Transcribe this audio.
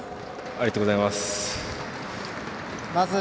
ありがとうございます。